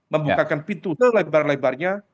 membukakan pintu selebar lebarnya